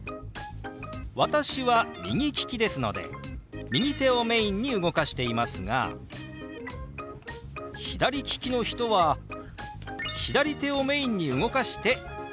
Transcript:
私は右利きですので右手をメインに動かしていますが左利きの人は左手をメインに動かしてＯＫです。